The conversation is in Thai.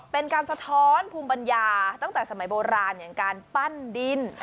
เป็นการสะท้อนภูมิปัญญาตั้งแต่สมัยโบราณอย่างการปั้นดิน